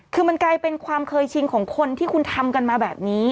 คือมันกลายเป็นความเคยชินของคนที่คุณทำกันมาแบบนี้